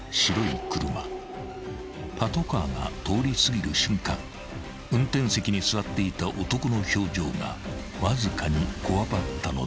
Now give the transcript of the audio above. ［パトカーが通り過ぎる瞬間運転席に座っていた男の表情がわずかにこわばったのだという］